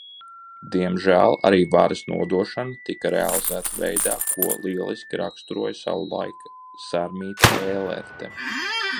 Diemžēl arī varas nodošana tika realizēta veidā, ko lieliski raksturoja savulaik Sarmīte Ēlerte.